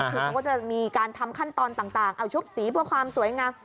คือเขาก็จะมีการทำขั้นตอนต่างเอาชุบสีเพื่อความสวยงาม